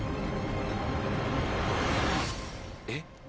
えっ？